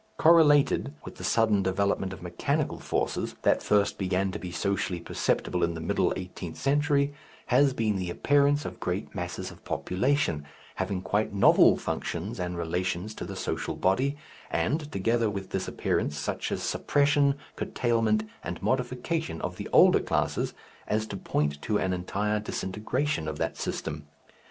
Correlated with the sudden development of mechanical forces that first began to be socially perceptible in the middle eighteenth century, has been the appearance of great masses of population, having quite novel functions and relations in the social body, and together with this appearance such a suppression, curtailment, and modification of the older classes, as to point to an entire disintegration of that system.